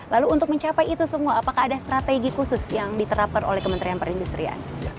lalu untuk mencapai itu semua apakah ada strategi khusus yang diterapkan oleh kementerian perindustrian